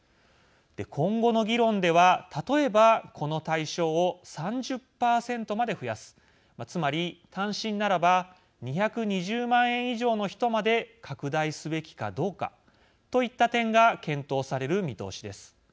今後の議論では例えばこの対象を３０％まで増やすつまり単身ならば２２０万円以上の人まで拡大すべきかどうかといった点が検討される見通しです。